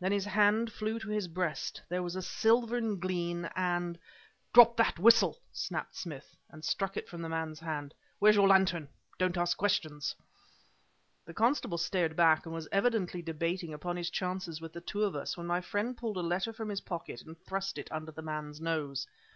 Then his hand flew to his breast; there was a silvern gleam and "Drop that whistle!" snapped Smith and struck it from the man's hand. "Where's your lantern? Don't ask questions!" The constable started back and was evidently debating upon his chances with the two of us, when my friend pulled a letter from his pocket and thrust it under the man's nose.